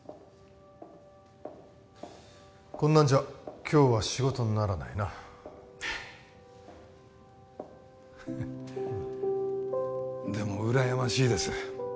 こんなんじゃ今日は仕事にならないなでも羨ましいです